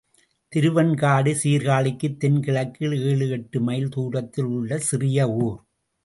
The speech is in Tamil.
திருவெண்காடு சீர்காழிக்குத் தென் கிழக்கில் ஏழு எட்டு மைல் தூரத்தில் உள்ள சிறிய ஊர்.